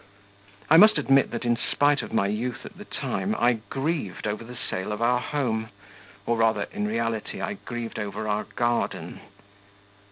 I must admit that, in spite of my youth at the time, I grieved over the sale of our home, or rather, in reality, I grieved over our garden.